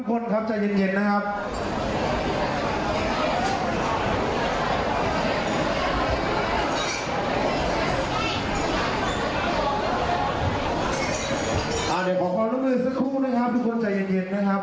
โอ้โหแน่นแบบ